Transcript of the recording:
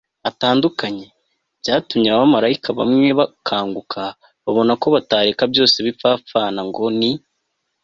atandukanye, byatumye abalayiki bamwe bakanguka, babona ko batareka byose bipfapfana ngo ni